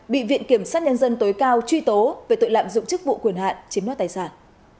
bị viện kiểm sát nhân dân tối cao truy tố về tội lạm dụng chức vụ quyền hạn chiếm đoạt tài sản